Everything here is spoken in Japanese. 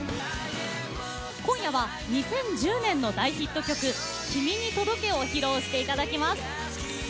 今夜は２０１０年の大ヒット曲「君に届け」を披露していただきます。